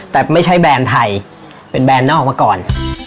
แต่ไม่ใช่แบรนด์ไทยเป็นแบรนดนอกมาก่อน